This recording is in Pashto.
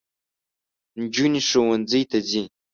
نجوني ښوونځۍ ته ځي